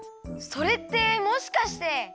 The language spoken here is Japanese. それってもしかして？